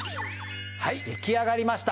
はい出来上がりました。